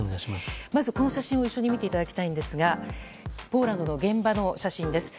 まずこの写真を一緒に見ていただきたいですがポーランドの現場の写真です。